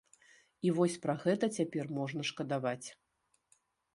І вось пра гэта цяпер можна шкадаваць.